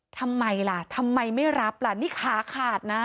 ทำไมล่ะทำไมไม่รับล่ะนี่ขาขาดนะ